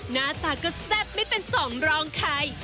หน้าตาก็แซ่บไม่เป็นสองรองใคร